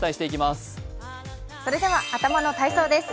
それでは、頭の体操です。